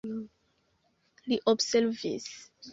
Li observis.